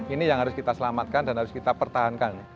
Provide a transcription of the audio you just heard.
ini yang harus kita selamatkan dan harus kita pertahankan